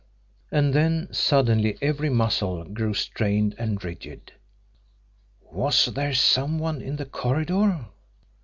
And then suddenly every muscle grew strained and rigid. WAS THERE SOME ONE IN THE CORRIDOR?